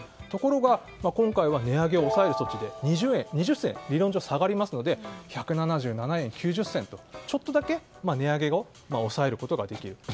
ところが、今回は値上げを抑える措置で２０銭、理論上下がりますので１７７円９０銭とちょっとだけ値上げを抑えることができる。